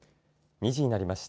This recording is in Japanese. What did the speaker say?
２時になりました。